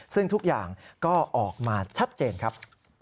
ซึ่งทุกอย่างก็ออกมาชัดเจนครับ